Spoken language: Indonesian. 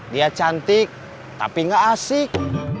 dia cantik tapi gak asik